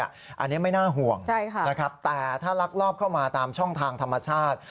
อันนี้ไม่น่าห่วงนะครับแต่ถ้าลักลอบเข้ามาตามช่องทางธรรมชาติ